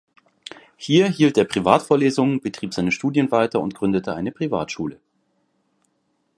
Hier hielt er Privatvorlesungen, betrieb seine Studien weiter und gründete eine Privatschule.